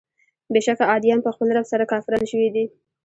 بېشکه عادیان په خپل رب سره کافران شوي دي.